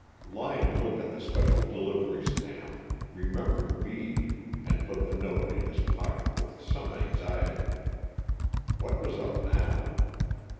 Lyon looked at the special delivery stamp, remembered Bede, and put the note in his pocket with some anxiety. What was up now?